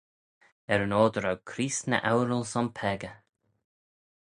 Er-yn-oyr dy row Creest ny oural son peccah.